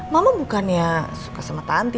mama bukannya suka sama tanti